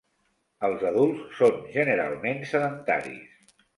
Els adults són, generalment, sedentaris.